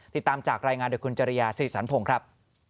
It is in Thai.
ติดตามจากรายงานโดยคุณจริยาศรีสันพงศ์ครับ